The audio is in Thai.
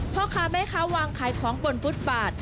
พ่อค้าแม่ค้าวางขายของบนฟุตบาท